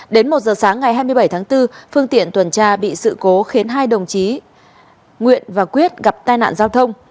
đến một giờ sáng ngày hai mươi bảy tháng bốn phương tiện tuần tra bị sự cố khiến hai đồng chí nguyễn và quyết gặp tai nạn giao thông